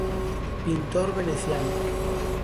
Pintor veneciano.